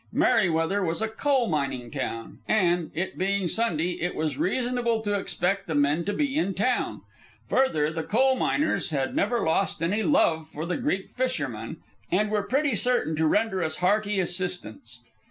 Merryweather was a coal mining town, and, it being Sunday, it was reasonable to expect the men to be in town. Further, the coal miners had never lost any love for the Greek fishermen, and were pretty certain to render us hearty assistance.